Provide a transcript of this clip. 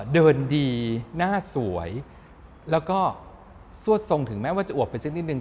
เดินดีหน้าสวยแล้วก็ซวดทรงถึงแม้ว่าจะอวบไปสักนิดนึ